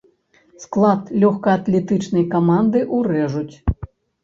Склад лёгкаатлетычнай каманды ўрэжуць.